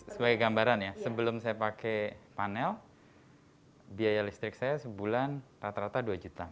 sebagai gambaran ya sebelum saya pakai panel biaya listrik saya sebulan rata rata dua juta